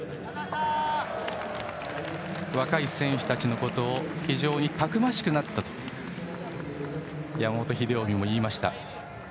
若い選手たちのことを非常にたくましくなったと山本英臣も言いました。